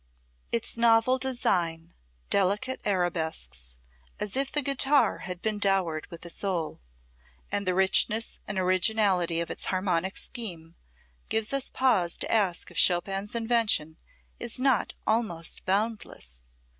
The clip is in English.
Its novel design, delicate arabesques as if the guitar had been dowered with a soul and the richness and originality of its harmonic scheme, gives us pause to ask if Chopin's invention is not almost boundless.